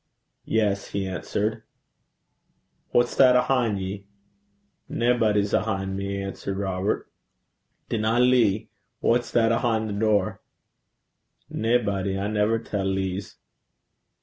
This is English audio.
'Yes,' he answered. 'Wha's that ahin' ye?' 'Naebody's ahin' me,' answered Robert. 'Dinna lee. Wha's that ahin' the door?' 'Naebody. I never tell lees.'